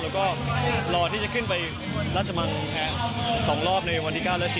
แล้วก็รอที่จะขึ้นไปราชมัง๒รอบในวันที่๙และ๑๐